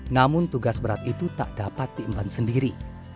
namun tugas berat itu tak dapat diimban sendiri